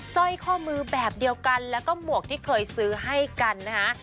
สร้อยข้อมือแบบเดียวกันแล้วก็หมวกที่เคยซื้อให้กันนะคะ